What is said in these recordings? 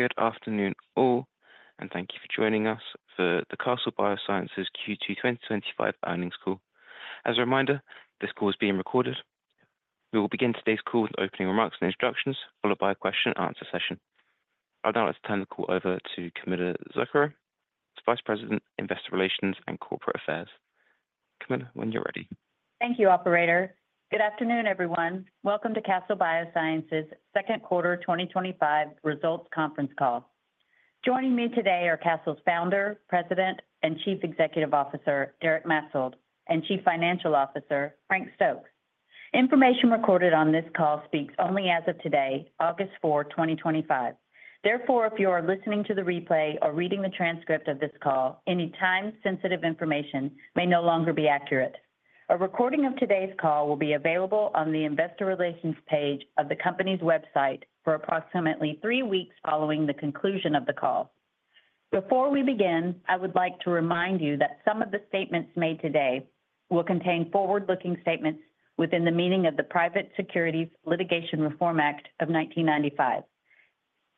Good afternoon all and thank you for joining us for the Castle Biosciences Q2 2025 Earnings Call. As a reminder, this call is being recorded. We will begin today's call with opening remarks and instructions, followed by a question-and-answer session. I would now like to turn the call over to Camilla Zuckero, Vice President, Investor Relations and Corporate Affairs. Camilla, when you're ready. Thank you, operator. Good afternoon, everyone. Welcome to Castle Biosciences Second Quarter 2025 Results Conference Call. Joining me today are Castle's Founder, President and Chief Executive Officer Derek Maetzold and Chief Financial Officer Frank Stokes. Information recorded on this call speaks only as of today, August 4, 2025. Therefore, if you are listening to the replay or reading the transcript of this call, any time sensitive information may no longer be accurate. A recording of today's call will be available on the Investor Relations page of the company's website for approximately three weeks following the conclusion of the call. Before we begin, I would like to remind you that some of the statements made today will contain forward-looking statements within the meaning of the Private Securities Litigation Reform Act of 1995.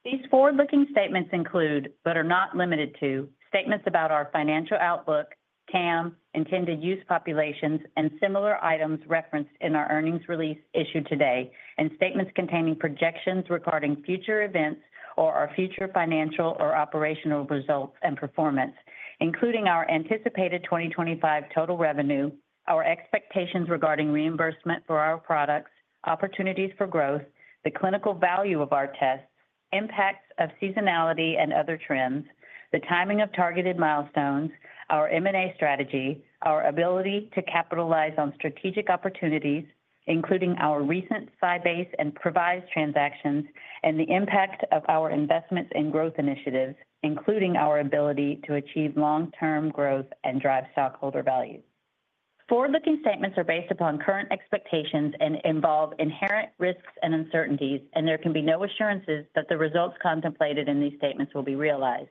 These forward-looking statements include, but are not limited to, statements about our financial outlook, TAM intended use populations and similar items referenced in our earnings release issued today and statements containing projections regarding future events or our future financial or operational results and performance, including our anticipated 2025 total revenue, our expectations regarding reimbursement for our products, opportunities for growth, the clinical value of our tests, impacts of seasonality and other trends, the timing of targeted milestones, our M&A strategy, our ability to capitalize on strategic opportunities including our recent SciBase and Previse transactions and the impact of our investments in growth initiatives, including our ability to achieve long-term growth and drive stockholder value. Forward-looking statements are based upon current expectations and involve inherent risks and uncertainties and there can be no assurances that the results contemplated in these statements will be realized.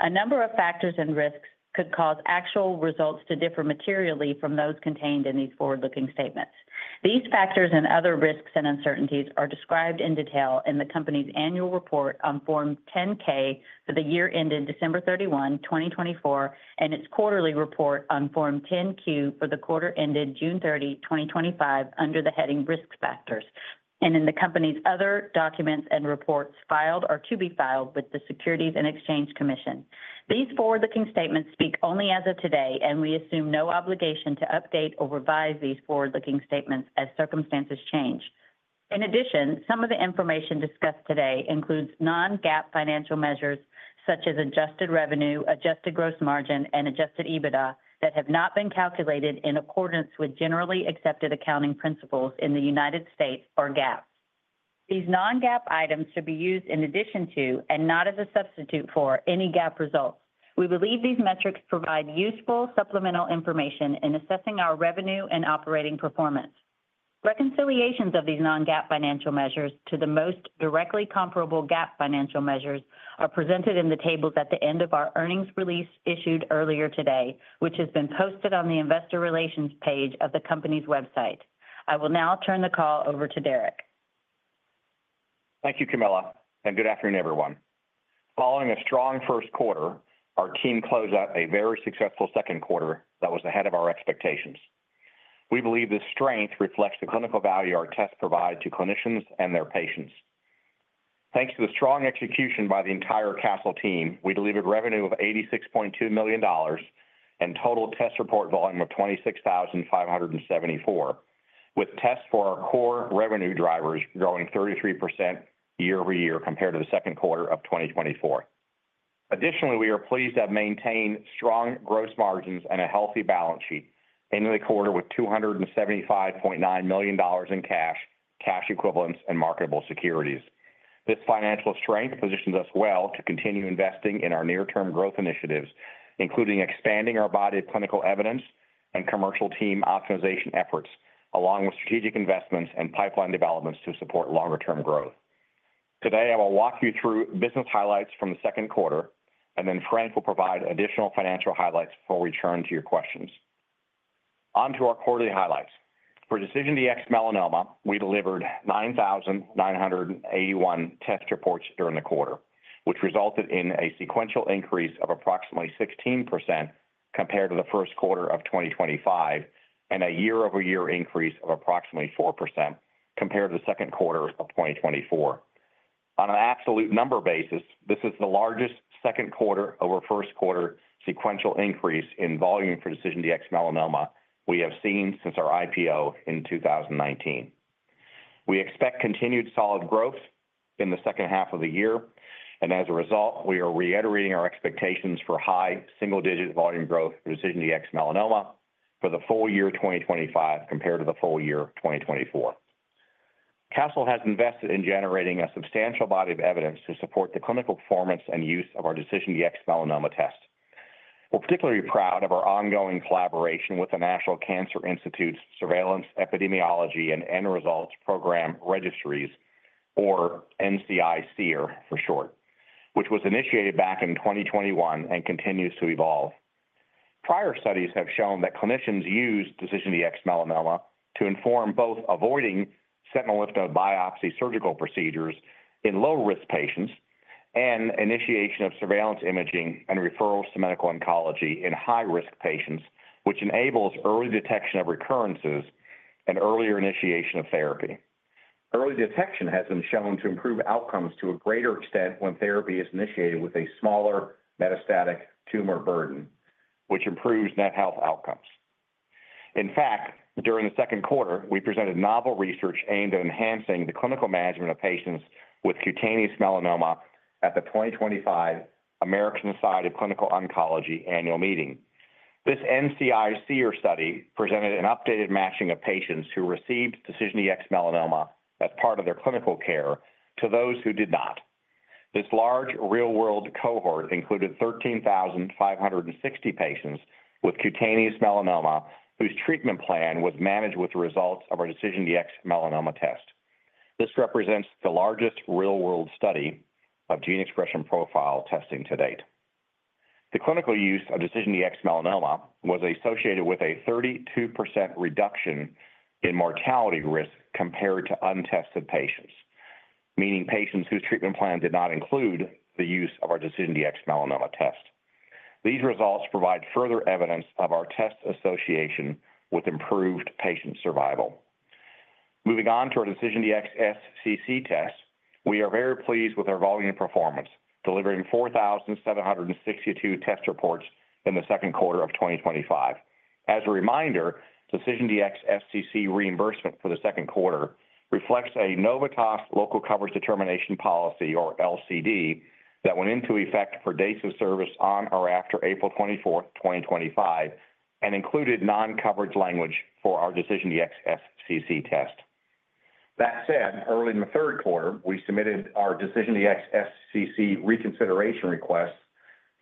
A number of factors and risks could cause actual results to differ materially from those contained in these forward-looking statements. These factors and other risks and uncertainties are described in detail in the company's Annual Report on Form 10-K for the year ended December 31, 2024 and its quarterly report on Form 10-Q for the quarter ended June 30, 2025 under the heading Risk Factors and in the company's other documents and reports filed or to be filed with the Securities and Exchange Commission. These forward-looking statements speak only as of today, and we assume no obligation to update or revise these forward-looking statements as circumstances change. In addition, some of the information discussed today includes non-GAAP financial measures such as adjusted revenue, adjusted gross margin, and adjusted EBITDA that have not been calculated in accordance with Generally Accepted Accounting Principles in the United States or GAAP. These non-GAAP items should be used in addition to, and not as a substitute for, any GAAP results. We believe these metrics provide useful supplemental information in assessing our revenue and operating performance. Reconciliations of these non-GAAP financial measures to the most directly comparable GAAP financial measures are presented in the tables at the end of our earnings release issued earlier today, which has been posted on the Investor Relations page of the company's website. I will now turn the call over to Derek. Thank you Camilla. And good afternoon, everyone. Following a strong first quarter, our team closed out a very successful second quarter that was ahead of our expectations. We believe this strength reflects the clinical value our tests provide to clinicians and their patients. Thanks to the strong execution by the entire Castle team, we delivered revenue of $86.2 million and total test report volume of 26,574, with tests for our core revenue drivers growing 33% year-over-year compared to the second quarter of 2024. Additionally, we are pleased to have maintained strong gross margins and a healthy balance sheet, ending the quarter with $275.9 million in cash, cash equivalents, and marketable securities. This financial strength positions us well to continue investing in our near term growth initiatives, including expanding our body of clinical evidence and commercial team optimization efforts, along with strategic investments and pipeline development to support longer-term growth. Today I will walk you through business highlights from the second quarter and then Frank will provide additional financial highlights before we turn to your questions. On to our quarterly highlights for DecisionDx-Melanoma. We delivered 9,981 test reports during the quarter, which resulted in a sequential increase of approximately 16% compared to the first quarter of 2025 and a year-over-year increase of approximately 4% compared to the second quarter of 2024. On an absolute number basis, this is the largest second quarter over first quarter sequential increase in volume for DecisionDx-Melanoma we have seen since our IPO in 2019. We expect continued solid growth in the second half of the year, and as a result, we are reiterating our expectations for high single-digit volume growth for DecisionDx-Melanoma for the full year 2025 compared to the full year 2024. Castle has invested in generating a substantial body of evidence to support the clinical performance and use of our DecisionDx-Melanoma test. We're particularly proud of our ongoing collaboration with the National Cancer Institute's Surveillance, Epidemiology, and End Results Program Registries, or NCI SEER Program for short, which was initiated back in 2021 and continues to evolve. Prior studies have shown that clinicians use DecisionDx-Melanoma to inform both avoiding Sentinel Lymph Node Biopsy surgical procedures in low-risk patients and initiation of surveillance imaging and referrals to medical oncology in high-risk patients, which enables early detection of recurrences and earlier initiation of therapy. Early detection has been shown to improve outcomes to a greater extent when therapy is initiated with a smaller metastatic tumor burden, which improves net health outcomes. In fact, during the second quarter, we presented novel research aimed at enhancing the clinical management of patients with cutaneous melanoma at the 2025 American Society of Clinical Oncology Annual Meeting. This NCI SEER study presented an updated matching of patients who received DecisionDx-Melanoma as part of their clinical care to those who did not. This large real-world cohort included 13,560 patients with cutaneous melanoma whose treatment plan was managed with the results of our DecisionDx-Melanoma test. This represents the largest real-world study of gene expression profile testing to date. The clinical use of DecisionDx-Melanoma was associated with a 32% reduction in mortality risk compared to untested patients, meaning patients whose treatment plan did not include the use of our DecisionDx-Melanoma test. These results provide further evidence of our test association with improved patient survival. Moving on to our DecisionDx-SCC test, we are very pleased with our volume performance, delivering 4,762 test reports in the second quarter of 2025. As a reminder, DecisionDx-SCC reimbursement for the second quarter reflects a Novitas Local Coverage Determination Policy, or LCD, that went into effect for dates of service on or after April 24, 2025, and included non-coverage language for our DecisionDx-SCC test. That said, early in the third quarter we submitted our DecisionDx-SCC reconsideration request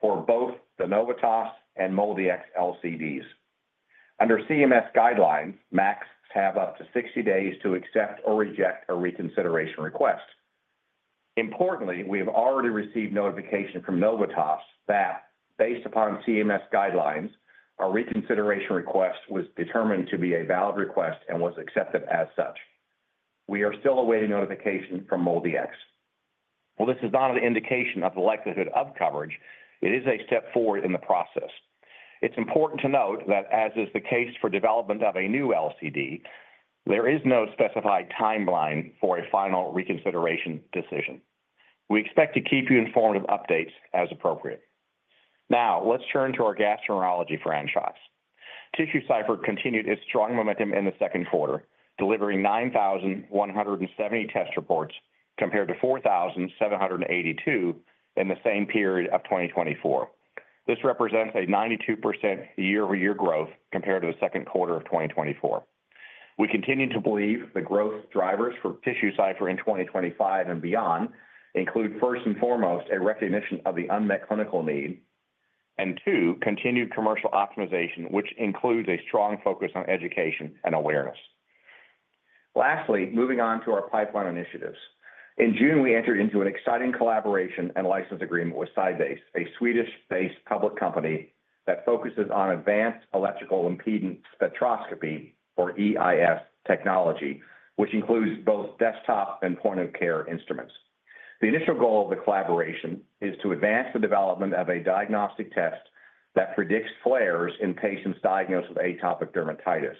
for both the Novitas and MolDX LCDs. Under CMS guidelines, MACs have up to 60 days to accept or reject a reconsideration request. Importantly, we have already received notification from. Novitas, that based upon CMS guidelines, our reconsideration request was determined to be a valid request and was accepted as such. We are still awaiting notification from MolDX. This is not an indication of the likelihood of coverage, it is a step forward in the process. It's important to note that as is the case for development of a new LCD, there is no specified timeline for a final reconsideration decision. We expect to keep you informed of updates as appropriate. Now let's turn to our gastroenterology franchise. TissueCypher continued its strong momentum in the second quarter, delivering 9,170 test reports compared to 4,782 in the same period of 2024. This represents a 92% year-over-year growth compared to the second quarter of 2024. We continue to believe the growth drivers for TissueCypher in 2025 and beyond include first and foremost a recognition of the unmet clinical need and 2 continued commercial optimization, which includes a strong focus on education and awareness. Lastly, moving on to our pipeline initiatives in June we entered into an exciting collaboration and license agreement with SciBase, a Swedish-based public company that focuses on advanced Electrical Impedance Spectroscopy, or EIS technology, which includes both desktop and point of care instruments. The initial goal of the collaboration is to advance the development of a diagnostic test that predicts flares in patients diagnosed with atopic dermatitis,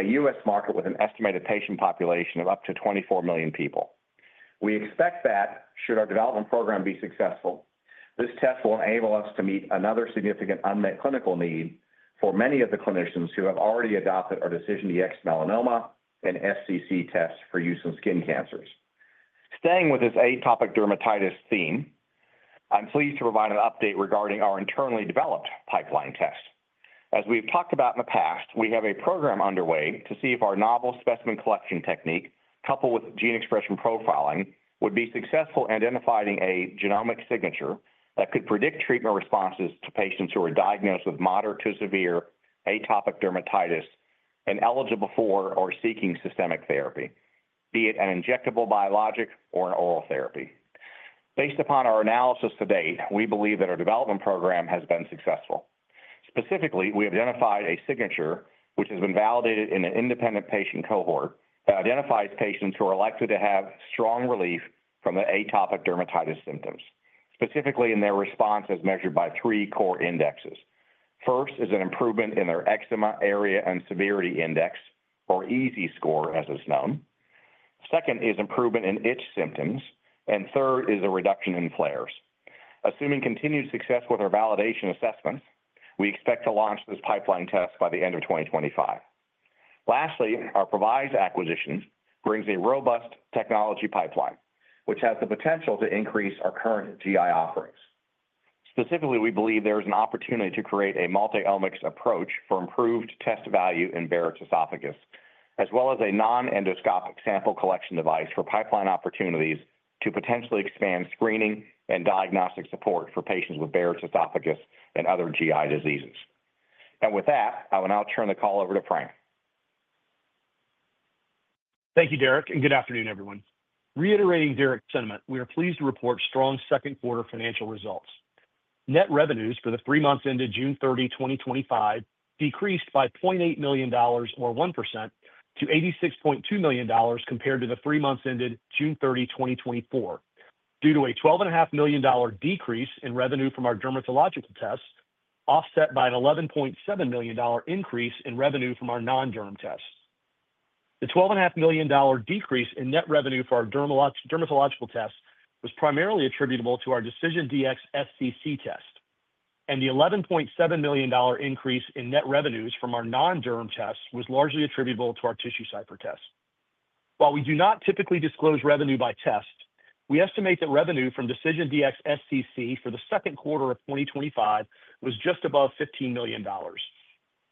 a U.S. market with an estimated patient population of up to 24 million people. We expect that should our development program be successful, this test will enable us. To meet another significant unmet clinical need for many of the clinicians who have already adopted our DecisionDx-Melanoma and SCC tests for use in skin cancers. Staying with this atopic dermatitis theme, I'm pleased to provide an update regarding our internally developed pipeline test. As we've talked about in the past, we have a program underway to see if our novel specimen collection technique, coupled with gene expression profiling, would be successful in identifying a genomic signature that could predict treatment responses to patients who are diagnosed with moderate to severe atopic dermatitis and eligible for or seeking systemic therapy, be it an injectable biologic or an oral therapy. Based upon our analysis to date, we believe that our development program has been successful. Specifically, we identified a signature which has been validated in an independent patient cohort that identifies patients who are likely to have strong relief from the atopic dermatitis symptoms, specifically in their response as measured. By three core indexes. First is an improvement in their Eczema Area and Severity Index, or EASI score, as it's known. Second is improvement in itch symptoms, and third is a reduction in flares. Assuming continued success with our validation assessments, we expect to launch this pipeline test by the end of 2025. Lastly, our Previse acquisition brings a robust technology pipeline which has the potential to increase our current GI offerings. Specifically, we believe there is an opportunity to create a multi-omics approach for improved test value in Barrett's esophagus, as well as a non-endoscopic sample collection device for pipeline opportunities to potentially expand screening and diagnostic support for patients with Barrett's esophagus and other GI diseases. With that, I will now turn the call over to Frank. Thank you, Derek, and good afternoon, everyone. Reiterating Derek's sentiment, we are pleased to report strong second quarter financial results. Net revenues for the three months ended June 30, 2025, decreased by $0.8 million or 1% to $86.2 million compared to the three months ended June 30, 2024, due to a $12.5 million decrease in revenue from our dermatological tests offset by an $11.7 million increase in revenue from our non-derm tests. The $12.5 million decrease in net revenue for our dermatological tests was primarily attributable to our DecisionDx-SCC test, and the $11.7 million increase in net revenues from our non-derm tests was largely attributable to our TissueCypher test. While we do not typically disclose revenue by test, we estimate that revenue from DecisionDx-SCC for the second quarter of 2025 was just above $15 million.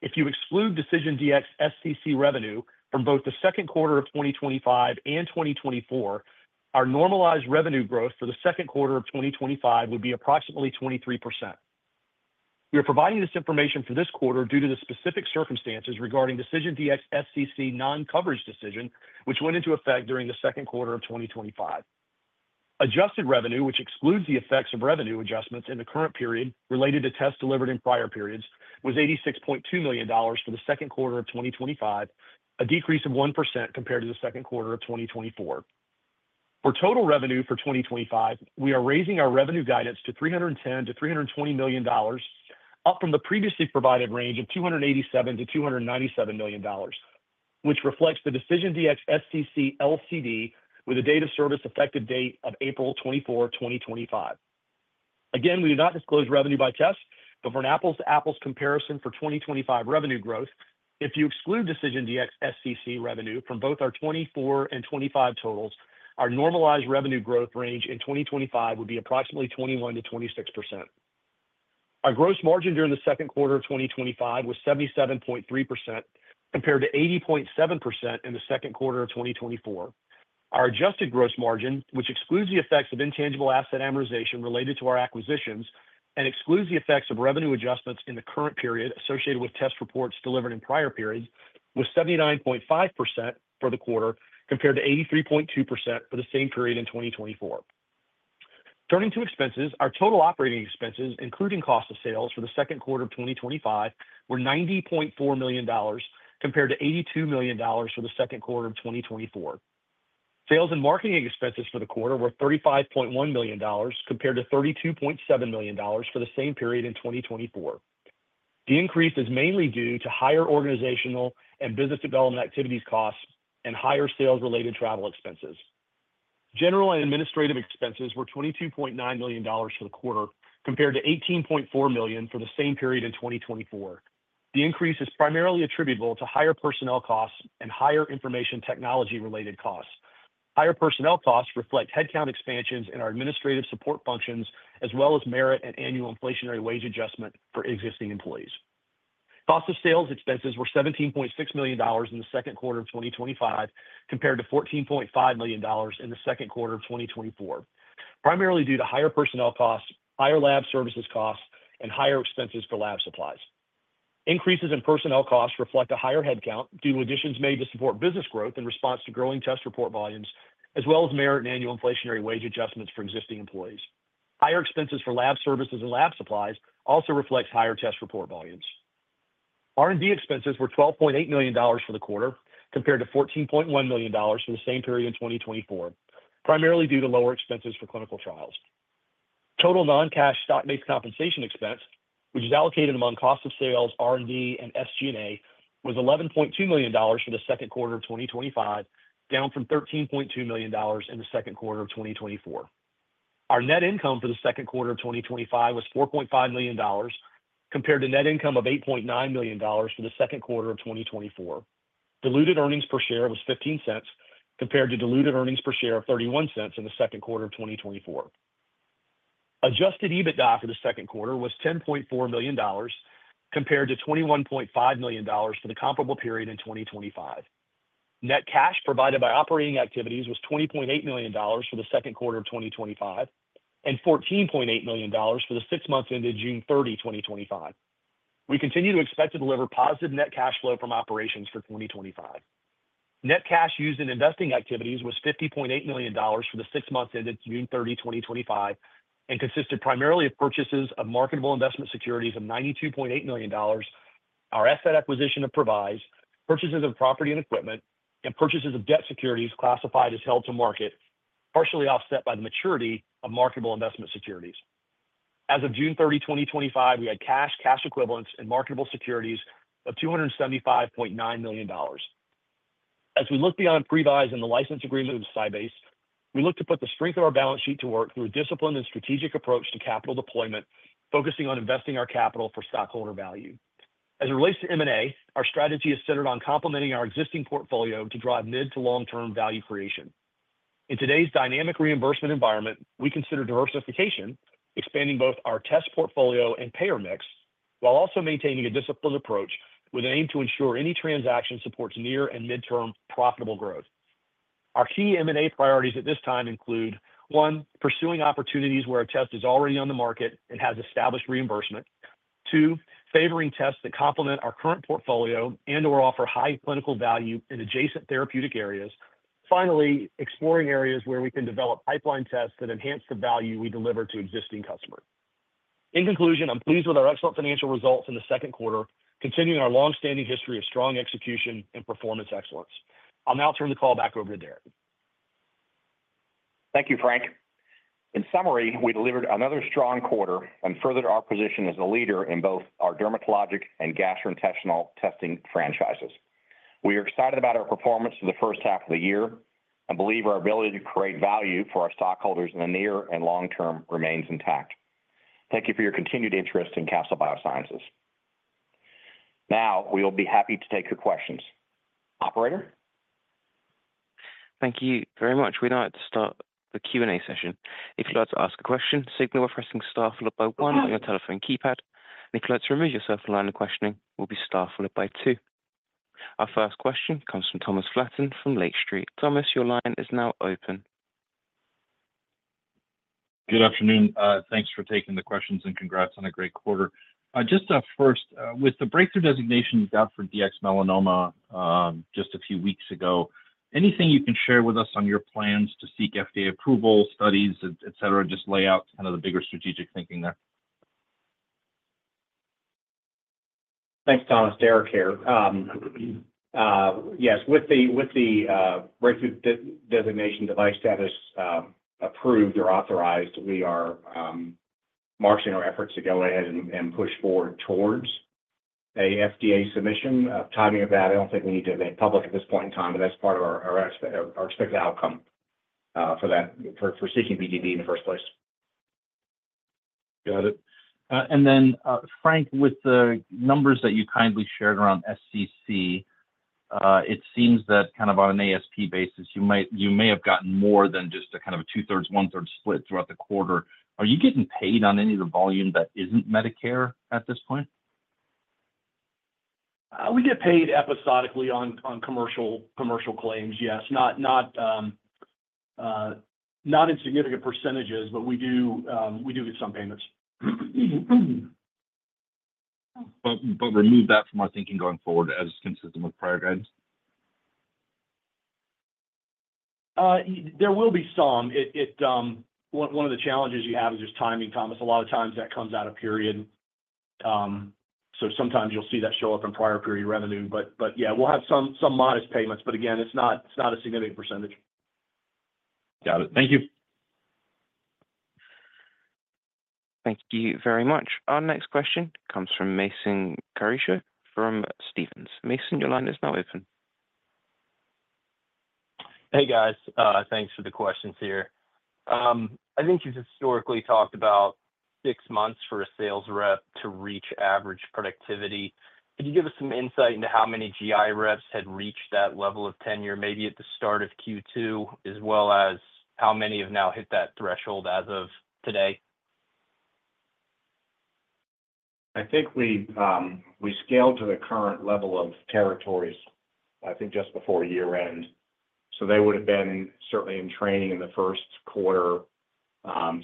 If you exclude DecisionDx-SCC revenue from both the second quarter of 2025 and 2024, our normalized revenue growth for the second quarter of 2025 would be approximately 23%. We are providing this information for this quarter due to the specific circumstances regarding the DecisionDx-SCC non-coverage decision which went into effect during the second quarter of 2025. Adjusted revenue, which excludes the effects of revenue adjustments in the current period related to tests delivered in prior periods, was $86.2 million for the second quarter of 2025, a decrease of 1% compared to the second quarter of 2024. For total revenue for 2025, we are raising our revenue guidance to $310 million-$320 million, up from the previously provided range of $287 million-$297 million, which reflects the DecisionDx-SCC LCD with a date of service effective date of April 24, 2025. Again, we do not disclose revenue by test, but for an apples-to-apples comparison for 2025 revenue growth, if you exclude DecisionDx-SCC revenue from both our 2024 and 2025 totals, our normalized revenue growth range in 2025 would be approximately 21%-26%. Our gross margin during the second quarter of 2025 was 77.3% compared to 80.7% in the second quarter of 2024. Our adjusted gross margin, which excludes the effects of intangible asset amortization related to our acquisitions and excludes the effects of revenue adjustments in the current period associated with test reports delivered in prior periods, was 79.5% for the quarter compared to 83.2% for the same period in 2024. Turning to expenses, our total operating expenses including cost of sales for the second quarter of 2025 were $90.4 million compared to $82 million for the second quarter of 2024. Sales and marketing expenses for the quarter were $35.1 million compared to $32.7 million for the same period in 2024. The increase is mainly due to higher organizational and business development activities costs and higher sales-related travel expenses. General and Administrative expenses were $22.9 million for the quarter compared to $18.4 million for the same period in 2024. The increase is primarily attributable to higher personnel costs and higher information technology-related costs. Higher personnel costs reflect headcount expansions in our administrative support functions as well as merit and annual inflationary wage adjustment for existing employees. Cost of sales expenses were $17.6 million in the second quarter of 2025 compared to $14.5 million in the second quarter of 2024, primarily due to higher personnel costs, higher lab services costs, and higher expenses for lab supplies. Increases in personnel costs reflect a higher headcount due to additions made to support business growth in response to growing test report volumes as well as merit and annual inflationary wage adjustments for existing employees. Higher expenses for lab services and lab supplies also reflect higher test report volumes. R&D expenses were $12.8 million for the quarter compared to $14.1 million in the same period in 2024, primarily due to lower expenses for clinical trials. Total non-cash stock-based compensation expense, which is allocated among cost of sales, R&D, and SG&A, was $11.2 million for the second quarter of 2025, down from $13.2 million in the second quarter of 2024. Our net income for the second quarter of 2025 was $4.5 million compared to net income of $8.9 million for the second quarter of 2024. Diluted earnings per share was $0.15 compared to diluted earnings per share of $0.31 in the second quarter of 2024. Adjusted EBITDA for the second quarter was $10.4 million compared to $21.5 million for the comparable period in 2024. Net cash provided by operating activities was $20.8 million for the second quarter of 2025 and $14.8 million for the six months ended June 30, 2025. We continue to expect to deliver positive net cash flow from operations for 2025. Net cash used in investing activities was $50.8 million for the six months ended June 30, 2025, and consisted primarily of purchases of marketable investment securities of $92.8 million. Our asset acquisition of Previse purchases of property and equipment and purchases of debt securities classified as held to market, partially offset by the maturity of marketable investment securities. As of June 30, 2025, we had cash, cash equivalents, and marketable securities of $275.9 million. As we look beyond Previse and the license agreement with SciBase, we look to put the strength of our balance sheet to work through a disciplined and strategic approach to capital deployment, focusing on investing our capital for stockholder value as it relates to M&A. Our strategy is centered on complementing our existing portfolio to drive mid to long-term value creation. In today's dynamic reimbursement environment, we consider diversification, expanding both our test portfolio and payer mix while also maintaining a disciplined approach with an aim to ensure any transaction supports near and mid-term profitable growth. Our key M&A priorities at this time include, one, pursuing opportunities where a test is already on the market and has established reimbursement, two, favoring tests that complement our current portfolio and or offer high clinical value in adjacent therapeutic areas, and finally, exploring areas where we can develop pipeline tests that enhance the value we deliver to existing customers. In conclusion, I'm pleased with our excellent financial results in the second quarter, continuing our long-standing history of strong execution and performance excellence. I'll now turn the call back over to Derek. Thank you, Frank. In summary, we delivered another strong quarter and furthered our position as a leader in both our dermatologic and gastrointestinal testing franchises. We are excited about our performance for the first half of the year and believe our ability to create value for our stockholders in the near and long term remains intact. Thank you for your continued interest in Castle Biosciences. Now we will be happy to take your questions, operator. Thank you very much. We now have to start the Q&A session. If you'd like to ask a question, signal by pressing star followed by one on your telephone keypad. In case to remove yourself a line of questioning will be star followed by two. Our first question comes from Thomas Flaten from Lake Street. Thomas, your line is now open. Good afternoon. Thanks for taking the questions and congrats on a great quarter. Just first with the breakthrough designation got for DecisionDx-Melanoma just a few weeks ago. Anything you can share with us on your plans to seek FDA approval studies, etc., just lay out kind of the bigger strategic thinking that. Thanks, Thomas. Derek here. Yes, with the breakthrough designation, device status approved or authorized, we are marching our efforts to go ahead and push forward towards a FDA submission. Timing of that I don't think we need to make public at this point. In time, that's part of our expected outcome for that for seeking BDD in the first place. Got it. And then Frank, with the numbers that you kindly shared around SCC, it seems that on an ASP basis you might, you may have gotten more than just a 2/3, 1/3 split throughout the quarter. Are you getting paid on any of the volume that isn't Medicare at this point? We get paid episodically on commercial claims, yes, not in significant percentages, but we do get some payments. But remove that from my thinking going forward, as consistent with prior guidance. There will be some. It one of the challenges you have is just timing, Thomas. A lot of times that comes out of period, so sometimes you'll see that show up in prior period revenue. But yeah, we'll have some modest payments, but again it's not a significant %. Thank you. Thank you very much. Our next question comes from Mason Carrico from Stephens. Mason, your line is now open. Hey guys, thanks for the questions here. I think you've historically talked about six months for a sales rep to reach average productivity. Can you give us some insight into how many GI reps had reached that level of tenure maybe at the start of Q2, as well as how many have now hit that threshold as of today. I think we scaled to the current level of territories.I think just before year end. So they would have been certainly in training in the first quarter.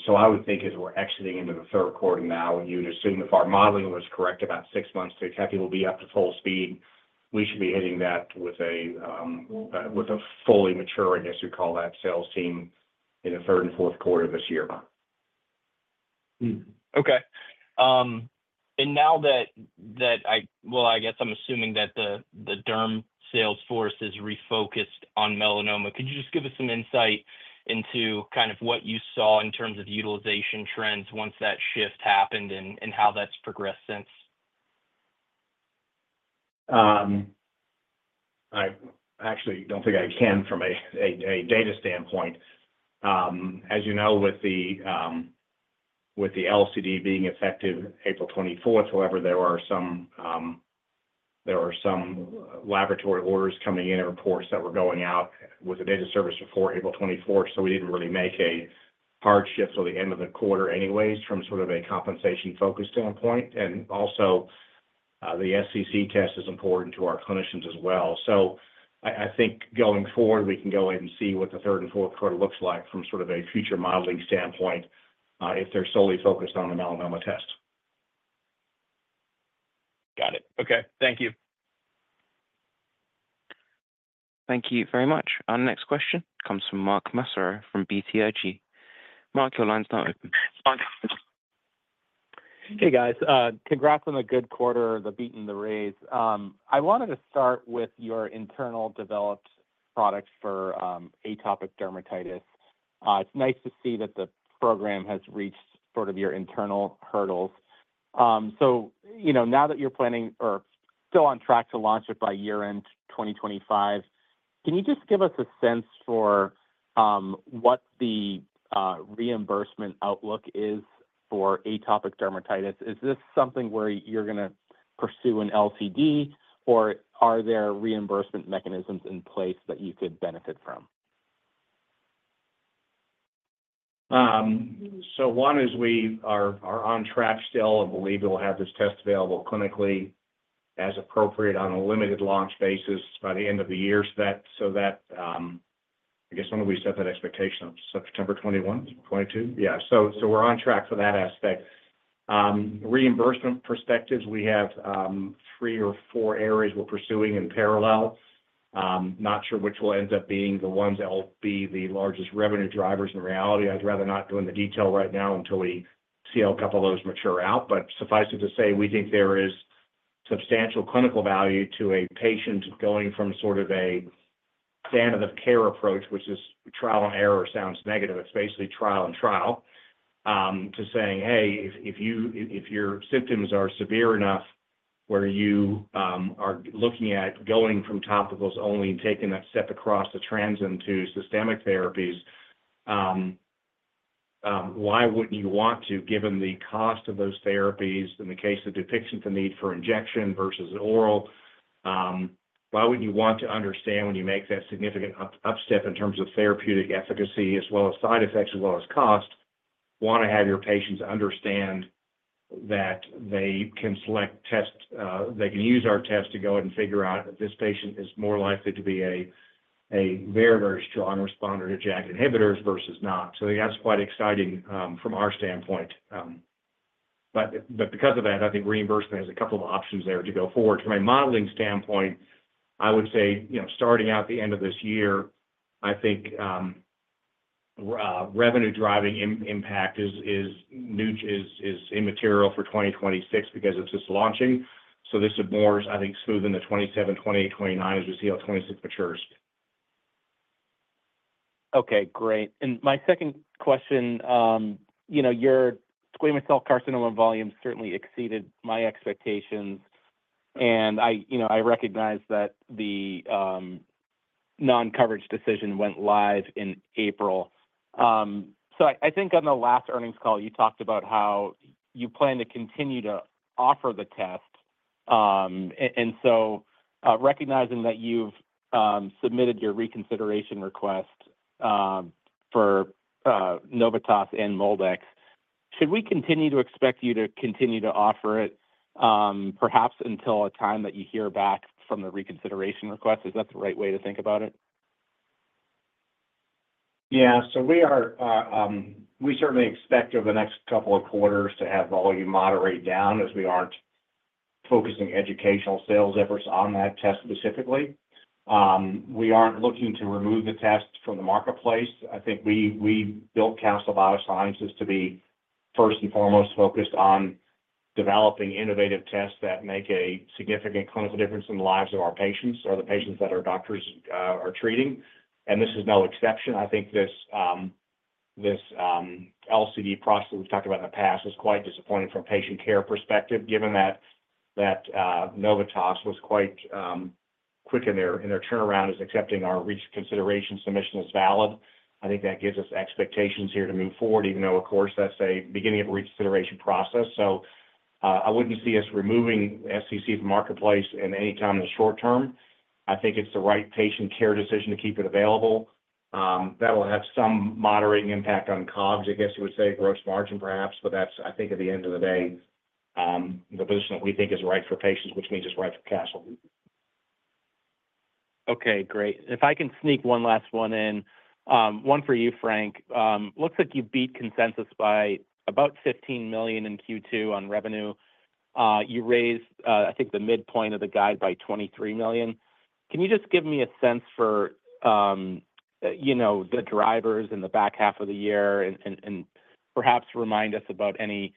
So I would think as we're exiting into the third quarter now, you'd assume if our modeling was correct, about 6 months to actually be up to full speed. We should be hitting that with a fully mature, I guess you call that, sales team in the third and fourth quarter this year. Okay, and now that I well I guess I'm assuming that the derm sales force is refocused on melanoma. Could you just give us some insight into kind of what you saw in terms of utilization trends once that shift happened and how that's progressed since? I actually don't think I can from a data standpoint, as you know, with the LCD being effective April 24. However, there are some laboratory orders coming in and reports that were going out with the data service before April 24. So we didn't really make a hardship till the end of the quarter anyways from sort of a compensation focus standpoint. And also the SCC test is important to our clinicians as well. I think going forward, we can go ahead and see what the third and fourth quarter looks like from sort of a future modeling standpoint if they're solely focused on a melanoma test. Got it. Okay, thank you. Thank you very much. Our next question comes from Mark Massaro from BTIG. Mark, your line's now open. Hey guys, congrats on a good quarter. The beat and the raise. I wanted to start with your internal developed products for atopic dermatitis. It's nice to see that the program has reached sort of your internal hurdles. So now that you're planning or still on track to launch it by year-end 2025, can you just give us a sense for what the reimbursement outlook is for atopic dermatitis? Is this something where you're going to pursue an LCD or are there reimbursement mechanisms in place that you could benefit from? So one is we are on track still and believe that we'll have this test available clinically as appropriate, on a limited launch basis by the end of the year. When do we set that expectation on September 21, 22? Yeah, so we're on track for that aspect. Reimbursement perspectives, we have three or four areas we're pursuing in parallel. Not sure which one ends up being the ones that will be the largest revenue drivers. In reality, I'd rather not go into detail right now until we see a couple of those mature out. But suffice it to say we think there is substantial clinical value to a patient going from sort of a standard of care approach, which is trial and error. Sounds negative. It's basically trial and trial to say, hey, if your symptoms are severe enough where you are looking at going from topicals only and taking that step across the transom to systemic therapies, why wouldn't you want to given the cost of those therapies in the case of Dupixent the need for injection versus oral, why would you want to understand when you make that significant upstep in terms of therapeutic efficacy as well as side effects as well as cost. Want to have your patients understand that they can select test, they can use our test to go ahead and figure out this patient is more likely to be a very very strong responder to JAK inhibitors versus not. So that's quite exciting from our standpoint. But because of that, I think reimbursement has a couple of options there to go forward. From a modeling standpoint, I would say, starting out the end of this year, I think revenue-driving impact is new is immaterial for 2026 because it's just launching. So this is more, I think, smooth in the 2027, 2028, 2029 as you see how 2026 matures. Okay, great. And my second question, your squamous cell carcinoma volume certainly exceeded my expectations and I recognize that the non-coverage decision went live in April. I think on the last earnings call you talked about how you plan to continue to offer the test, and so recognizing that you've submitted your reconsideration request for Novitas and MolDX, should we continue to expect you to continue to offer it perhaps until a time that you hear back from the reconsideration request? Is that the right way to think about it? Yeah. So we are we certainly expect over the next couple of quarters to have volume moderate down as we aren't focusing educational sales efforts on that test. Specifically, we aren't looking to remove the test from the marketplace. I think we built Castle Biosciences to be first and foremost focused on developing innovative tests that make a significant clinical difference in the lives of our patients or the patients that our doctors are treating. This is no exception. I think this LCD process we've talked about in the past is quite disappointing from a patient care perspective given that Novitas was quite quick in their turnaround in accepting our reconsideration submission as valid. I think that gives us expectations here to move forward even though of course that's the beginning of a reconsideration process. I wouldn't see us removing SCC from the marketplace anytime in the short term. I think it's the right patient care decision to keep it available. That'll have some moderating impact on COGS, I guess you would say, gross margin perhaps, but that's, I think, at the end of the day, the position that we think is right for. Patients, which means it's right for cash. Okay, great. If I can sneak one last one in. One for you, Frank. Looks like you beat consensus by about $15 million in Q2 on revenue. You raised, I think, the midpoint of the guide by $23 million. Can you just give me a sense for you know the drivers in the back half of the year and perhaps remind us about any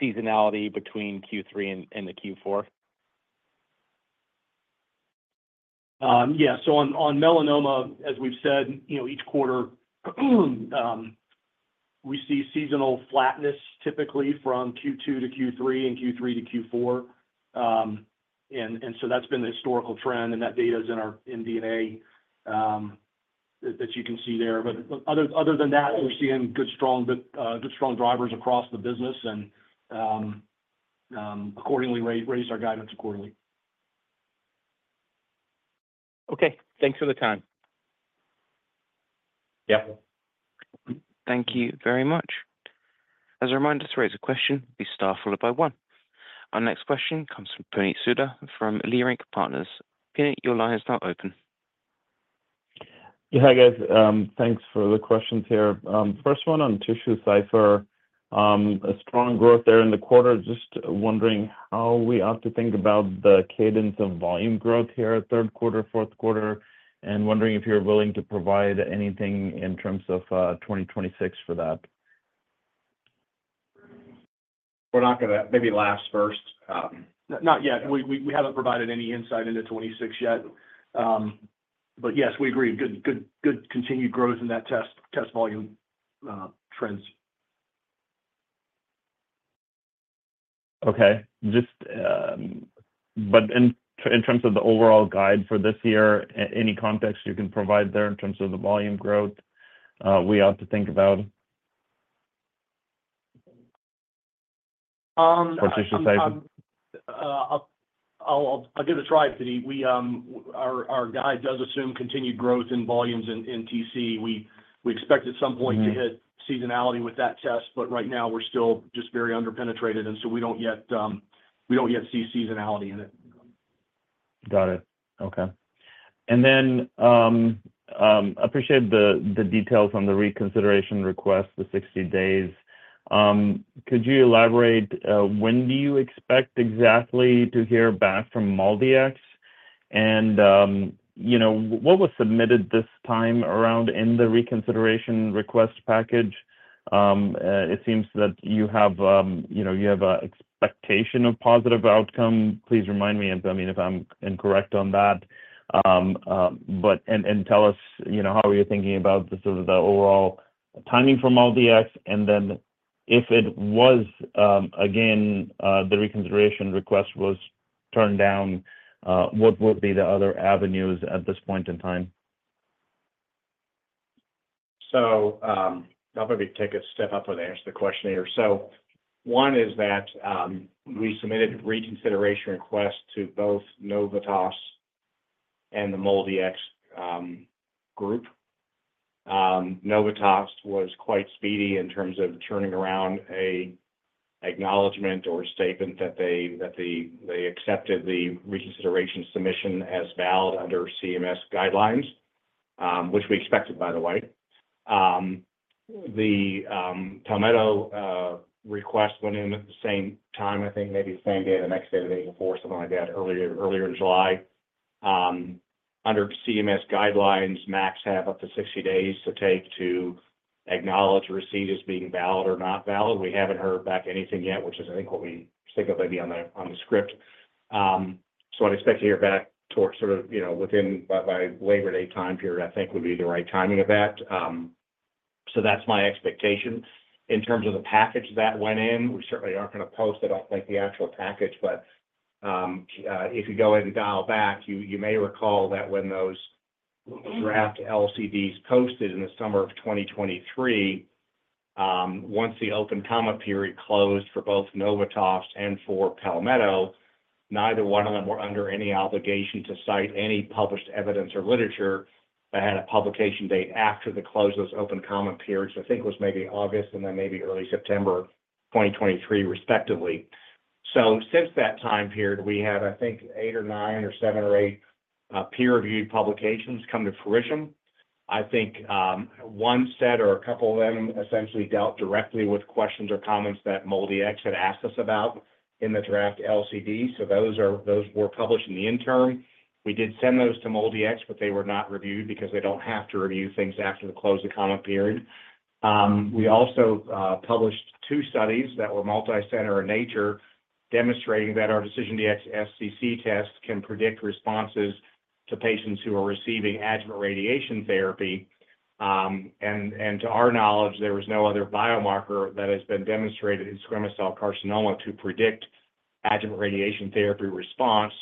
seasonality between Q3 and Q4? Yeah. So on melanoma, as we've said, you know, each quarter we see seasonal flatness typically from Q2-Q3 and Q3-Q4. And that's been the historical trend, and that data is in our MD&A that you can see there. But other than that, we're seeing good, strong drivers across the business and accordingly we raise our guidance accordingly. Okay, thanks for the time. Thank you very much. As a reminder, to raise a question, press star followed by one. Our next question comes from Puneet Souda from Leerink Partners. Puneet, your line is now open. Hi, guys. Thanks for the questions here. First one on TissueCypher. A strong growth there in the quarter. Just wondering how we ought to think about the cadence of volume growth here, third quarter, fourth quarter, and wondering if you're willing to provide anything in terms of 2026 for that. We're not going to maybe last first? Not yet. We haven't provided any insight into 2026 yet, but yes, we agree. Good. Continued growth in that test, volume trends. Okay, just. But in terms of the overall guide for this year, any context you can provide there in terms of the volume growth we ought to think about? I'll give it a try Puneet. Our guide does assume continued growth in volumes in TC. We expect at some point to hit seasonality with that test, but right now we're still just very underpenetrated, and so we don't yet see seasonality in it. Got it. Okay. And then appreciate the details on the reconsideration request, the 60 days. Could you elaborate when do you expect exactly to hear back from MolDX, and you know what was submitted this time around in the reconsideration request package? It seems that you have an expectation of a positive outcome. Please remind me if I'm incorrect on that, and tell us how you are thinking about the overall timing from MolDX. And then if it was again the reconsideration request was turned down again, what would be the other avenues at this point in time? I'll probably take a step up and answer the question here. One is that we submitted a reconsideration request to both Novitas and the MolDX group. Novitas was quite speedy in terms of turning around an acknowledgment or statement that they accepted the reconsideration submission as valid under CMS guidelines, which we expected by the way. The Palmetto request went in at the same time, I think maybe the same day, the next day, the day before, something like that, earlier in July. Under CMS guidelines, MACs have up to 60 days to take to acknowledge receipt as being valid or not valid. We haven't heard back anything yet, which is what we think it might be on the script. I'd expect to hear back towards, sort of, within, by Labor Day time period. I think that would be the right timing of that. So that's my expectation. In terms of the package that went in, we certainly aren't going to post it, like the actual package. But if you go and dial back, you may recall that when those draft LCDs posted in the summer of 2023, once the open comment period closed for both Novitas and for Palmetto, neither one of them were under any obligation to cite any published evidence or literature that had a publication date after the close of this open comment period. I think it was maybe August and then maybe early September 2023, respectively. Since that time period, we have, I think, eight or nine or seven or eight peer-reviewed publications come to fruition. I think one set or a couple of them essentially dealt directly with questions or comments that MolDX had asked us about in the draft LCD. So those were published in the interim. We did send those to MolDX, but they were not reviewed because they don't have to review things after the close of the comment period. We also published two studies that were multicenter in nature, demonstrating that our DecisionDx-SCC tests can predict responses to patients who are receiving adjuvant radiation therapy. And to our knowledge, there was no other biomarker that has been demonstrated in squamous cell carcinoma to predict adjuvant radiation therapy response.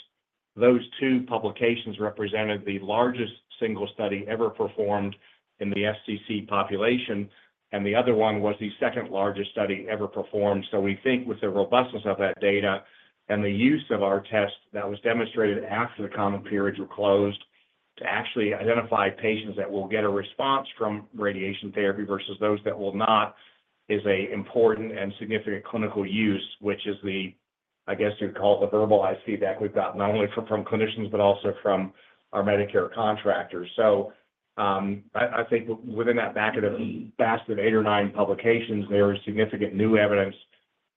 Those two publications represented the largest single study ever performed in the SCC population, and the other one was the second largest study ever performed. So we think with the robustness of that data and the use of our test that was demonstrated after the comment periods were closed to actually identify patients that will get a response from radiation therapy versus those that will not is an important and significant clinical use, which is the, I guess you'd call it the verbalized feedback that we've got not only from clinicians but also from our Medicare contractors. So I think within that basket of eight or nine publications, there is significant new evidence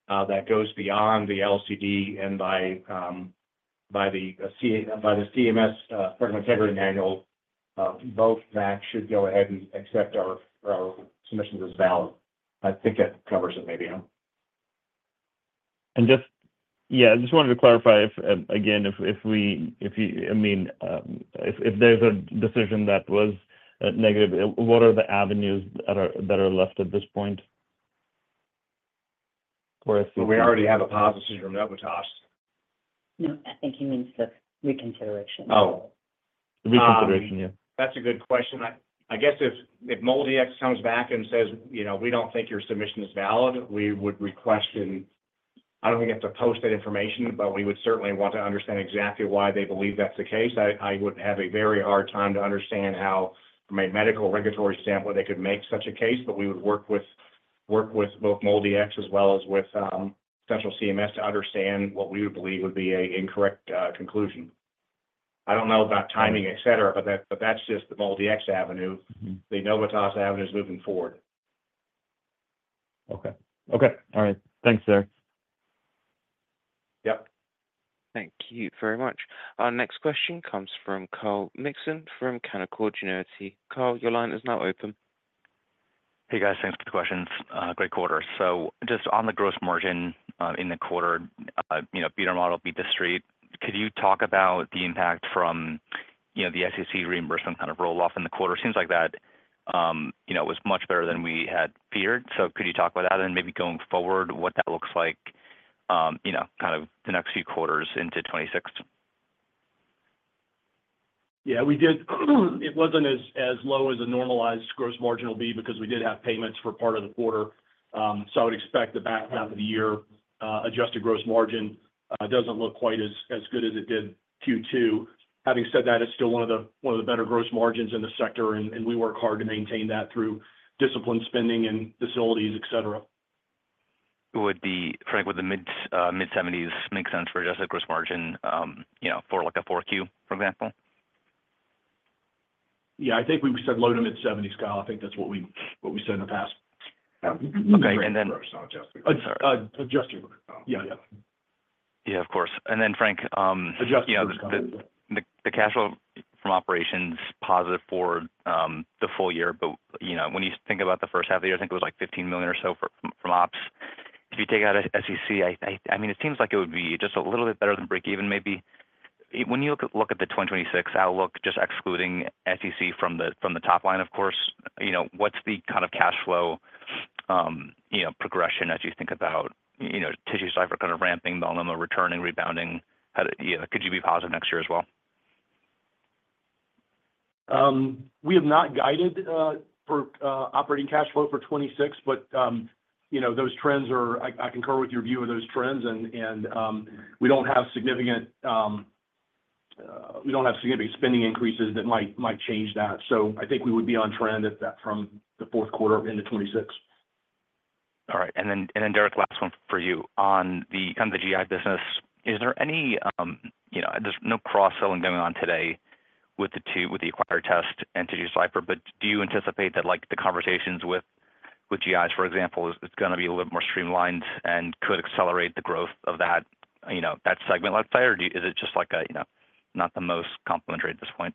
that goes beyond the LCD and by the CMS Program Integrity Manual, both MACs should go ahead and accept our submissions as valid. I think that covers it maybe. And just yes I just wanted to clarify if, again, if we, I mean if there's a decision that was negative, what are the avenues that are left at this point? We already have a positive from Novitas. No, I think he means the reconsideration. Reconsideration, yes. Oh, yeah, that's a good question. I guess if MolDX comes back and says, you know, we don't think your submission is valid, we would request an. I don't think it's a posted information, but we would certainly want to understand exactly why they believe that's the case. I would have a very hard time to understand how my medical regulatory sample, they could make such a case. But we would work with both MolDX as well as with central CMS to understand what we believe would be an incorrect conclusion. I don't know about timing, etc., but that's just the MolDX avenue. The Novitas avenue is moving forward. Okay. Okay. All right, thanks Derek. Yeah, thank you very much. Our next question comes from Kyle Mikson from Canaccord Genuity. Kyle, your line is now open. Hey guys, thanks for the questions. Great quarter. So just on the gross margin in the quarter, you know, beat our model, beat the street. Could you talk about the impact from, you know, the SCC reimbursement kind of roll off in the quarter? Seems like that, you know, it was much better than we had feared. So could you talk about that and maybe going forward what that looks like, you know, kind of the next few quarters into 2026. Yeah, we did. It wasn't as low as a normalized gross margin will be because we did have payments for part of the quarter. So I would expect the back half of the year. Adjusted gross margin doesn't look quite as good as it did Q2. Having said that, it's still one of the better gross margins in the sector, and we work hard to maintain that through disciplined spending and facilities, etc. Would be Frank, would the mid-70s make sense for adjusted gross margin for like a 4Q, for example? Yeah, I think we've said low to mid-70s, Kyle. I think that's what we said in the past [guess- year look.] Yeah, of course, and then Frank, the cash flow from operations positive for the full year, but when you think about the first half of the year, I think it was like $15 million or so from ops. If you take out SCC, I mean. It seems like it would be just a little bit better than breakeven maybe when you look at the 2026 outlook just excluding SCC from the top line. Of course, what's the kind of cash flow progression as you think about, you know, TissueCypher kind of ramping, melanoma returning, rebounding? Could you be positive next year as well? We have not guided for operating cash flow for 2026, but you know those trends are, I concur with your view of those trends, and we don't have significant spending increases that might change that. So I think we would be on trend at that from the fourth quarter into 2026. All right, and then Derek, last one for you. On the kind of the GI business is there any, you know, there's no cross selling going on today with the two, with the our test and TissueCypher, but do you anticipate that, like, the conversations with GIs, for example, are going to be a little more streamlined and could accelerate the growth of that segment, let's say? Or is it just, like, you know, not the most complementary at this point?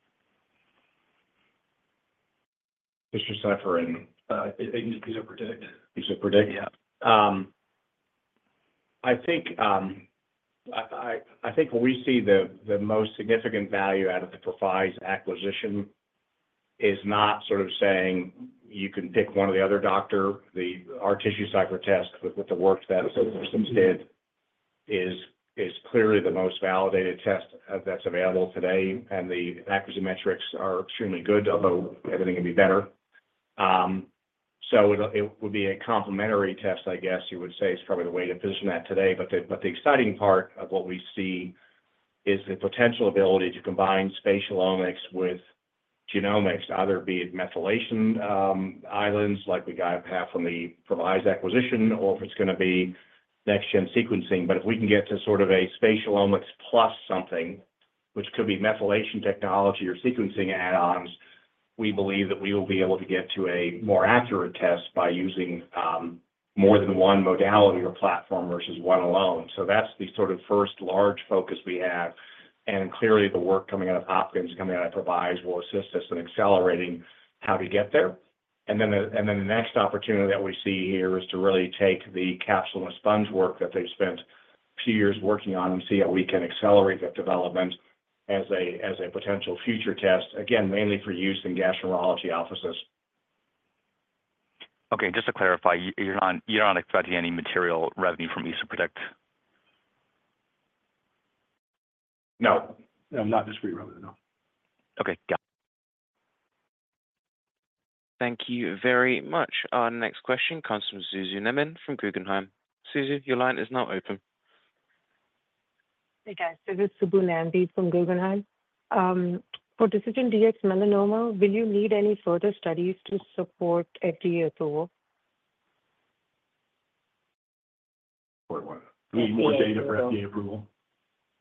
I think we see the most significant value out of the Previse acquisition is not sort of saying you can pick one or the other doctor. Our TissueCypher test with the work that did is clearly the most validated test that's available today and the accuracy metrics are extremely good, although everything can be better. So it would be a complementary test, I guess you would say it's probably the way to position that today. The exciting part of what we see is the potential ability to combine spatialomics with genomics to either be methylation islands like the GI path from the Previse acquisition or if it's going to be next-gen sequencing. But if we can get to sort of a spatialomics plus something which could be methylation technology or sequencing add-ons, we believe that we will be able to get to a more accurate test by using more than one modality or platform versus one alone. So that's the sort of first large focus we have, and clearly the work coming out of Hopkins, coming out of Previse, will assist us in accelerating how to get there. The next opportunity that we see here is to really take the capsule and sponge work that they've spent two years working on and see how we can accelerate that development as a potential future test, again mainly for use in gastroenterology offices. Okay, and just to clarify, you're not expecting any material revenue from EsoPredict? No. No, not discrete revenue. No. Okay. Yeah. Thank you very much. Our next question comes from Subbu Nambi from Guggenheim. Susan, your line is now open. Hey guys. This is Subbu Nambi from Guggenheim. For DecisionDx-Melanoma. Will you need any further studies to support FDA approval? [crosstalk-We need more data for FDA approval.]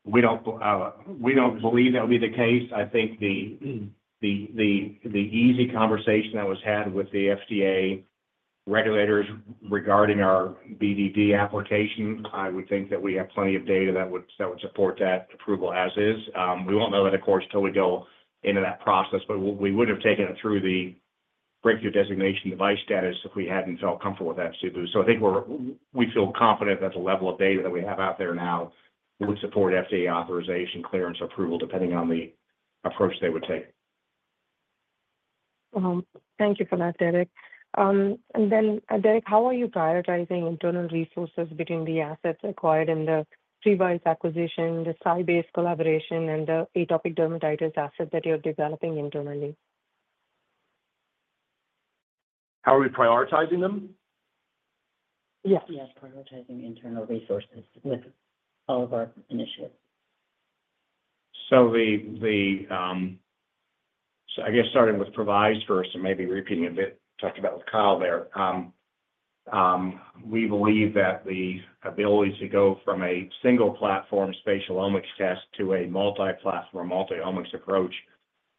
We don't believe that'll be the case. I think the easy conversation that was had with the FDA regulators regarding our BDD application, I would think that we have plenty of data that would support that approval as is. We won't know that of course until we go into that process, but we wouldn't have taken it through the breakthrough designation device status if we hadn't felt comfortable with FC boost. So I think we feel confident that the level of data that we have out there now would support FDA authorization, clearance, approval, depending on the approach they would take. Thank you for that, Derek. And then Derek, how are you prioritizing internal resources between the assets required in the Previse acquisition, the SciBase collaboration, and the atopic dermatitis asset that you're developing internally? How are we prioritizing them? Yes, Yes, prioritizing internal resources with all of our initiatives. So the I guess starting with Previse first and maybe repeating a bit talked about with Kyle there, we believe that the ability to go from a single platform spatialomics test to a multi-platform multi-omics approach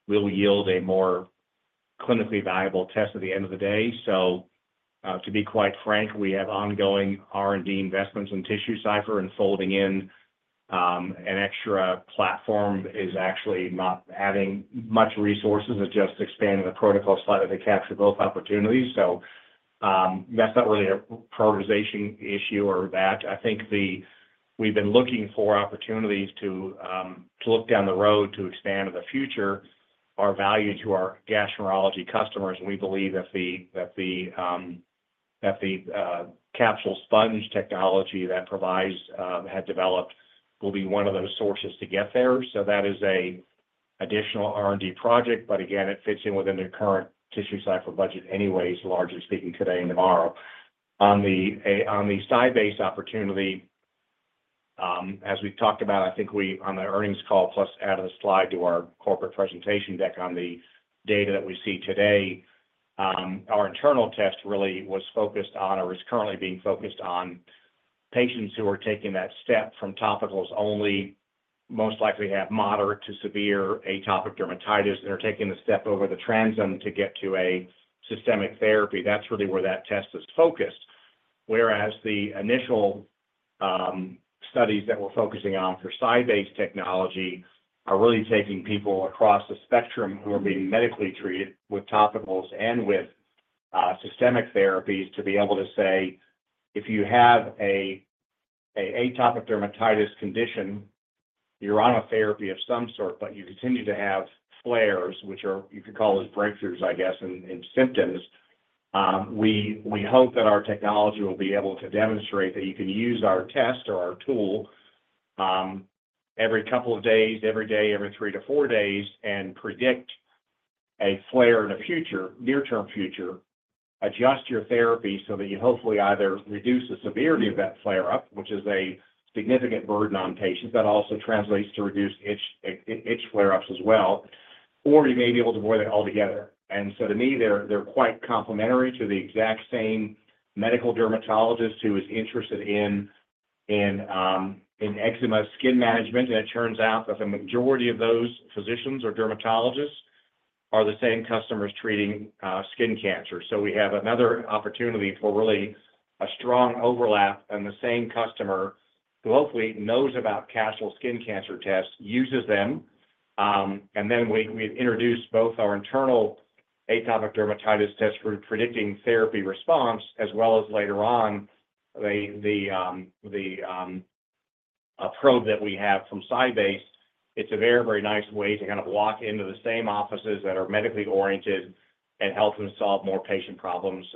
will yield a more clinically valuable test at the end of the day. So to be quite frank, we have ongoing R&D investments in TissueCypher and folding in an extra platform is actually not adding much resources. It just expanded the protocol slightly to capture both opportunities. So that's not really a prioritization issue. We've been looking for opportunities to look down the road to expand in the future our value to our gastroenterology customers. We believe that the capsule sponge technology that Previse had developed will be one of those sources to get there. So that is an additional R&D project, but again it fits in within the current TissueCypher budget anyways, largely speaking today and tomorrow. On the SciBase opportunity, as we talked about, I think we on the earnings call plus added a slide to our corporate presentation deck on the data that we see today our internal test really was focused on, or is currently being focused on patients who are taking that step from topicals only, most likely have moderate to severe atopic dermatitis and are taking the step over the transom to get to a systemic therapy. That's really where that test is focused. Whereas the initial studies that we're focusing on for SciBase technology are really taking people across the spectrum who are being medically treated with topicals and with systemic therapies to be able to say if you have an atopic dermatitis condition, you're on a therapy of some sort, but you continue to have flares which are, you could call it breakthroughs, I guess, in symptoms. We hope that our technology will be able to demonstrate that you can use our test or our tool every couple of days, every day, every three to four days, and predict a flare in the future, near term future, adjust your therapy so that you hopefully either reduce the severity of that flare up, which is a significant burden on patients, that also translates to reduced itch flare ups as well, or you may be able to avoid it altogether. And so to me, they're quite complementary to the exact same medical dermatologist who is interested in eczema skin management. It turns out that the majority of those physicians are dermatologists, are the same customers treating skin cancer. We have another opportunity for really a strong overlap and the same customer who hopefully knows about casual skin cancer tests uses them. And then we have introduce both our internal atopic dermatitis test for predicting therapy response as well as later on the probe that we have from SciBase. It's a very, very nice way to kind of walk into the same offices that are medically oriented and help them solve more patient problems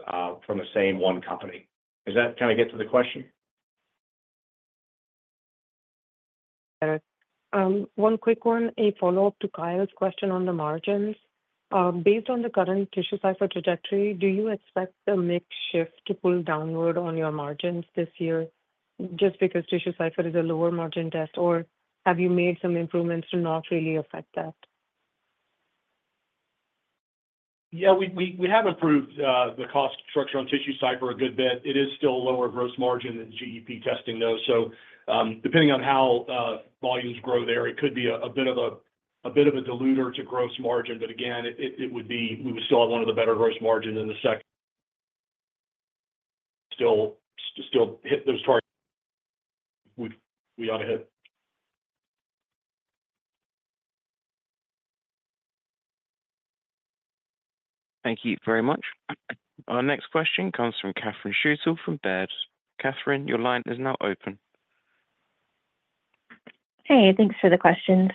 from the same one company. Does that kind of get to the question? One quick one. A follow-up to Kyle's question on the margins. Based on the current TissueCypher trajectory, do you expect themix shift to pull downward on your margins this year just because TissueCypher is a lower-margin test? Or have you made some improvements to not really affect that? Yeah, we have improved the cost structure on TissueCypher a good bit. It is still lower gross margin than GEP testing though. Depending on how volumes grow there, it could be a bit of a diluter to gross margin. Again, it would be we would still have one of the better gross margin in the sec. Still hit those targets we ought to hit. Thank you very much. Our next question comes from Catherine Schulte from Baird. Catherine, your line is now open. Hey, thanks for the question.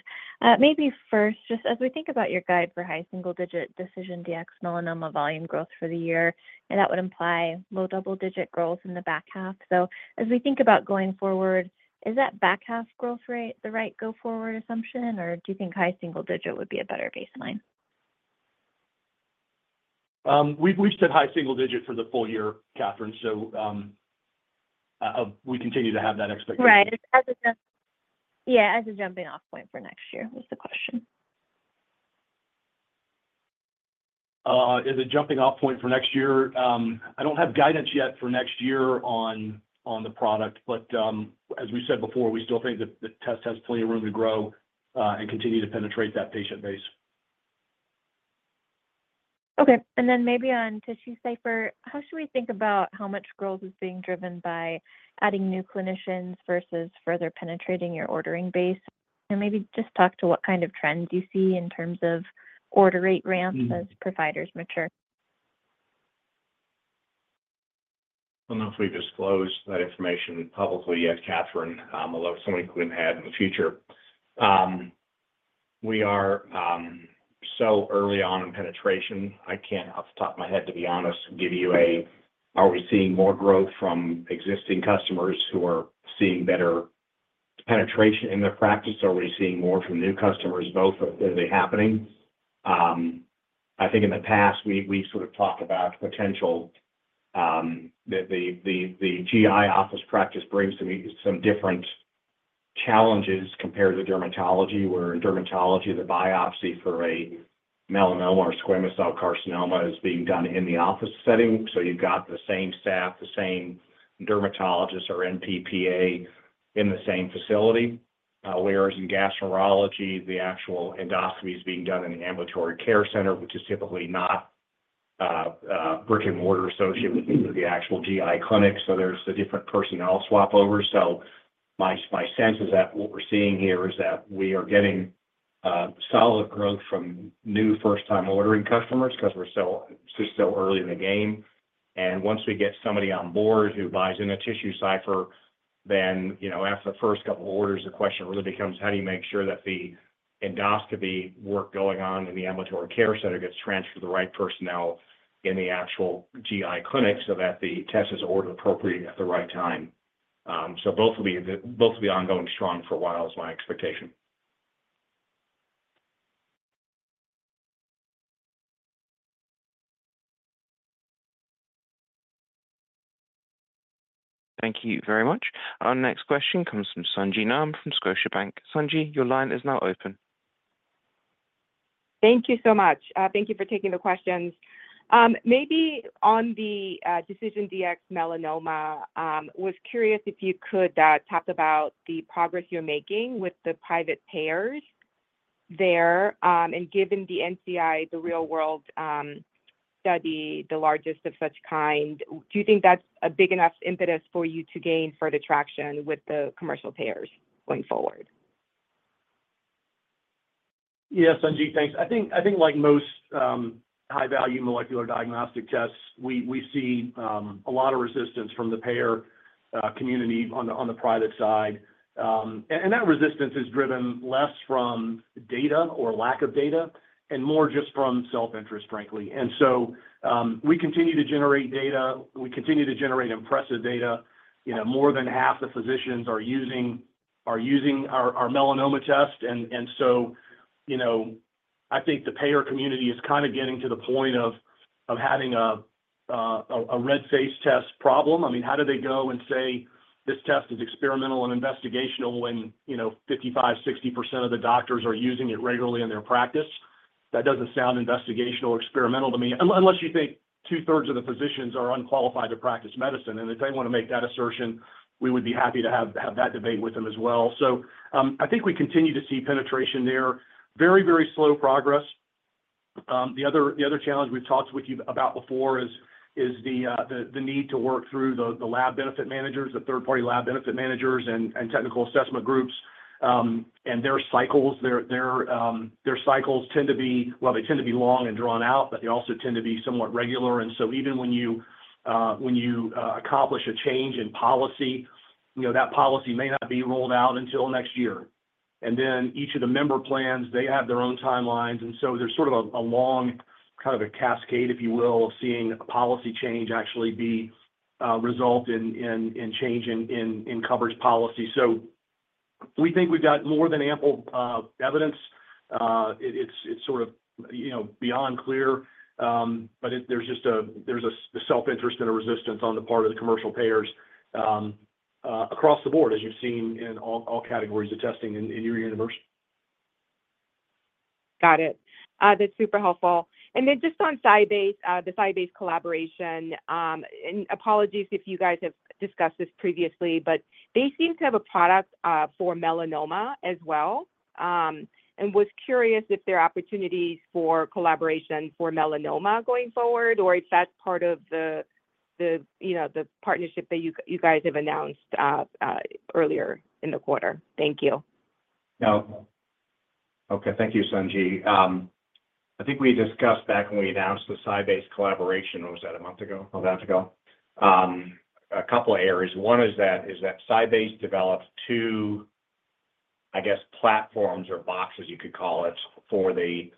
Maybe first, just as we think about your guide for high single-digit DecisionDx-Melanoma volume growth for the year, and that would imply low double-digit growth in the back half. So as we think about going forward, is that back-half growth rate the right go-forward assumption, or do you think high single-digit would be a better baseline? We've said high single digit for the full year, Catherine. So we continue to have that expectation, right? Yeah, as a jumping off point for next year, was the question. Is a jumping off point for next year? I don't have guidance yet for next year on the product. But as we said before, we still think that the test has plenty of room to grow and continue to penetrate that patient base. Okay. And then maybe on TissueCypher, how should we think about how much growth is being driven by adding new clinicians versus further penetrating your ordering base? And maybe just talk to what kind of trend you see in terms of order rate ramp as providers mature. I don't know if we disclose that information publicly yet, Catherine, although something couldn't have in the future. We are so early on in penetration, I can't off the top of my head, to be honest, give you a. Are we seeing more growth from existing customers who are seeing better penetration in the practice? Are we seeing more from new customers? Both are busy happening. I think in the past we sort of talked about potential. The GI office practice brings some different challenges compared to dermatology, where dermatology, the biopsy for a melanoma or squamous cell carcinoma is being done in the office setting. You've got the same staff, the same dermatologists or NPPA in the same facility. Whereas in gastroenterology, the actual endoscopy is being done in the ambulatory care center, which is typically not brick-and-mortar associated with the actual GI clinic. There's the different personnel swap over. So my sense is that what we're seeing here is that we are getting. Solid growth from new first-time ordering customers because we're so early in the game. Once we get somebody on board who buys in a TissueCypher, then after the first couple of orders the question really becomes how do you make sure that the endoscopy work going on in the ambulatory care center gets transferred to the right personnel in the actual GI clinic so that the test is ordered appropriately at the right time. So both will be ongoing strong for a while is my expectation. Thank you very much. Our next question comes from Sung Ji Nam from Scotiabank. Sung Ji, your line is now open. Thank you so much. Thank you for taking the questions. Maybe on the DecisionDx-Melanoma, was curious if you could talk about the progress you're making with the private payers there. And given the NCI, the real-world study, the largest of such kind, do you think that's a big enough impetus for you to gain further traction with the commercial payers going forward? Yes. Sung Ji, thanks. I think like most high-value molecular diagnostic tests, we see a lot of resistance from the payer community on the private side, and that resistance is driven less from data or lack of data and more just from self-interest, frankly. We continue to generate data, we continue to generate impressive data. More than half the physicians are using our melanoma test. I think the payer community is kind of getting to the point of having a red face test problem. I mean, how do they go and say this test is experimental and investigational when 55%, 60% of the doctors are using it regularly in their practice? That doesn't sound investigational or experimental to me. Unless you think 2/3 of the physicians are unqualified to practice medicine. If they want to make that assertion, we would be happy to have. That debate with them as well. I think we continue to see penetration there, very, very slow progress. The other challenge we've talked with you about before is the need to work through the Lab Benefit Managers, the third-party Lab Benefit Managers and Technical Assessment Groups, and their cycles. Their cycles tend to be, well, they tend to be long and drawn out, but they also tend to be somewhat regular. Even when you accomplish a change in policy, that policy may not be rolled out until next year. Each of the member plans have their own timelines, so there's sort of a long kind of a cascade, if you will. Seeing a policy change actually be result in change in coverage policy, we think we've got more than ample evidence. It's sort of, you know, beyond clear. There's a self-interest and a resistance on the part of the commercial payers across the board, as you've seen in all categories of testing in your universe. Got it. That's super helpful. And then just on SciBase, the SciBase collaboration, and apologies if you guys have discussed this previously, they seem to have a product for melanoma as well and was curious if there are opportunities for collaboration for melanoma going forward or if that's part of the partnership that you guys have announced earlier in the quarter. Thank you. Okay, thank you, Sung Ji. I think we discussed back when we announced the SciBase collaboration, or was that a month ago? A month ago. A couple of areas. One is that SciBase develops two, I guess, platforms, or boxes you could call it, for the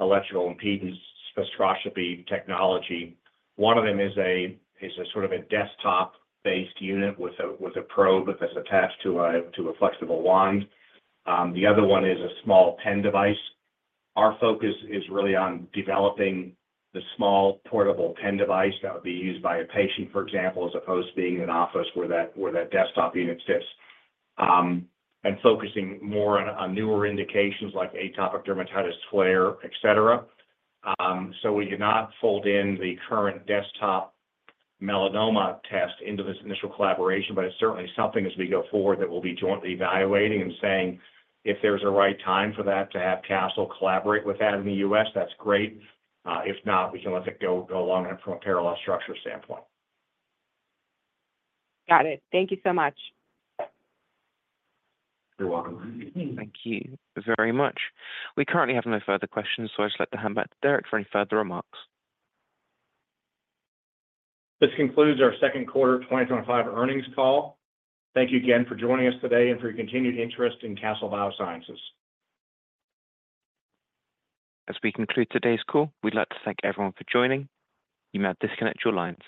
Electrical Impedance Spectroscopy technology. One of them is a sort of a desktop-based unit with a probe that's attached to a flexible wand. The other one is a small pen device. Our focus is really on developing the small portable pen device that would be used by a patient, for example, as opposed to being an office where that desktop unit sits, and focusing more on newer indications like atopic dermatitis, flare, etc. So we cannot fold in the current desktop melanoma test into this initial collaboration, but it's certainly something as we go forward that we'll be jointly evaluating and saying if there's a right time for that to have Castle collaborate with that in the U.S. that's great. If not, we can let it go along from a parallel structure standpoint. Got it. Thank you so much. You're welcome. Thank you very much. We currently have no further questions, so I'd like to hand back to Derek for any further remarks. This concludes our second quarter 2025 earnings call. Thank you again for joining us today and for your continued interest in Castle Biosciences. As we conclude today's call, we'd like to thank everyone for joining. You may now disconnect your lines.